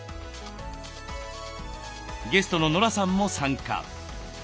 ゲストのノラさんも参加。